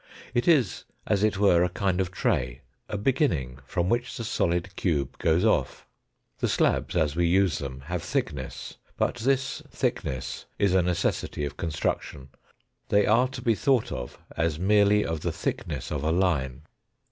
It is, as it were, a kind of tray a beginning from which the solid cube goes off. The slabs as we use them have thickness, but this thickness is a necessity of construction. They are to be thought of as merely of the thickness of a line.